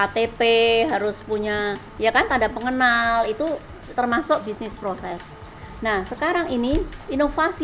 ktp harus punya ya kan tanda pengenal itu termasuk bisnis proses nah sekarang ini inovasi